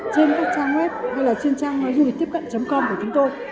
trên các trang web hay là trên trang du lịch tiếp cận com của chúng tôi